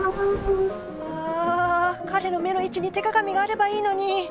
彼の目の位置に手鏡があればいいのに」。